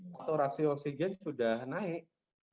faktorasi oksigen sudah naik